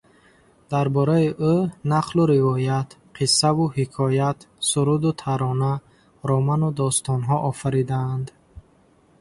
Дар бораи ӯ нақлу ривоят, қиссаву ҳикоят, суруду тарона, роману достонҳо офаридаанд.